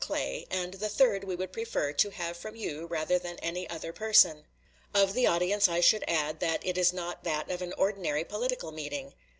Clay, and the third we would prefer to have from you rather than any other person. Of the audience I should add that it is not that of an ordinary political meeting.